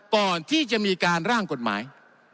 ก่อนที่จะมีการร่างกฎหมาย